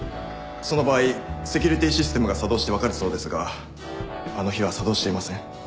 その場合セキュリティーシステムが作動して分かるそうですがあの日は作動していません。